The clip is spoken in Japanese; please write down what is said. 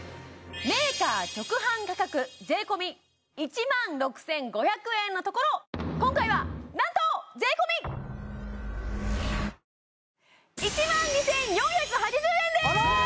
メーカー直販価格税込１６５００円のところ今回は何と税込１２４８０円ですあら！